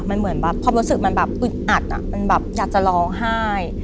มันเหมือนแบบความรู้สึกมันแบบอึดอัดมันแบบอยากจะร้องไห้